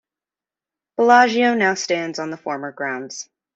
Bellagio now stands on the former grounds.